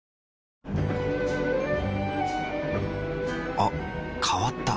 あ変わった。